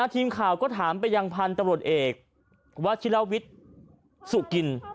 ทีมข่าวก็ถามไปยังพันธุ์ตำรวจเอกวัชิลวิทย์สุกิน